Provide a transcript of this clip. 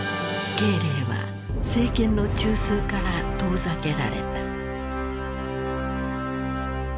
慶齢は政権の中枢から遠ざけられた。